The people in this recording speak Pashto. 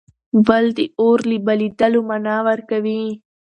بل د اور له بلېدلو مانا ورکوي.